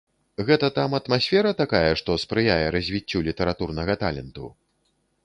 Гэта там атмасфера такая, што спрыяе развіццю літаратурнага таленту?